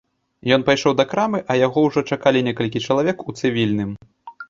Ён пайшоў да крамы, а яго ўжо чакалі некалькі чалавек у цывільным.